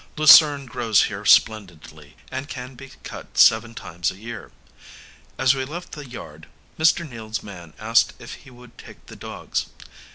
Lucerne grows here splendidly, and can be cut seven times a year. As we left the yard, Mr. Nield's man asked if he would take the dogs.